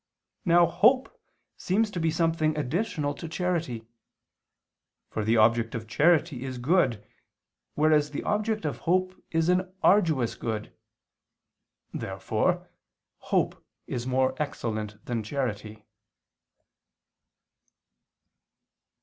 Now hope seems to be something additional to charity: for the object of charity is good, whereas the object of hope is an arduous good. Therefore hope is more excellent than charity.